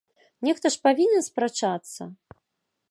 Нехта ж павінен спрачацца!